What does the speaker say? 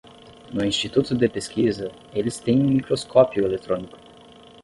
No instituto de pesquisa, eles têm um microscópio eletrônico.